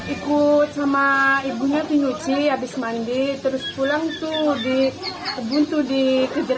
ikut sama ibunya penguci abis mandi terus pulang tuh di kebun tuh di kejar